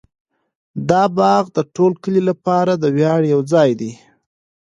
دا باغ د ټول کلي لپاره د ویاړ یو ځای دی.